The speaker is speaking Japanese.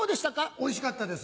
おいしかったです。